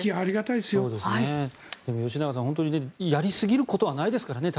でも吉永さん対策はやりすぎることはないですからね。